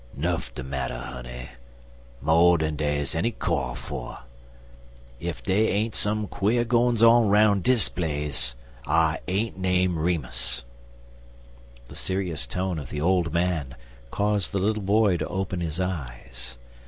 "Nuff de matter, honey mo' dan dey's enny kyo' fer. Ef dey ain't some quare gwines on 'roun' dis place I ain't name Remus." The serious tone of the old man caused the little boy to open his eyes.